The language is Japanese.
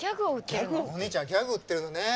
お兄ちゃんギャグ売ってるのね。